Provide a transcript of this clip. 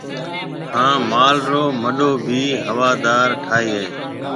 ھان مال رو مڏو ڀِي ھوادار ٺائيَ ھيََََ